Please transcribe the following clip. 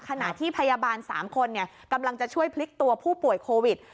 ขณะที่พยาบาล๓คนกำลังจะช่วยพลิกตัวผู้ป่วยโควิด